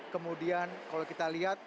kemudian kalau kita lihat